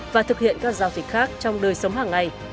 và thực hiện các giao dịch khác trong đời sống hàng ngày